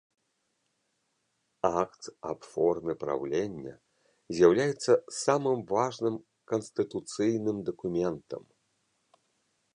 Акт аб форме праўлення з'яўляецца самым важным канстытуцыйным дакументам.